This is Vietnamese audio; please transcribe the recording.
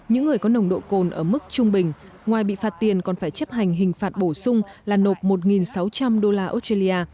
những người có nồng độ cồn ở mức trung bình ngoài bị phạt tiền còn phải chấp hành hình phạt bổ sung là nộp một sáu trăm linh đô la australia